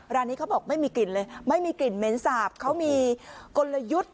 ร้านนี้เขาบอกไม่มีกลิ่นเลยไม่มีกลิ่นเหม็นสาบเขามีกลยุทธ์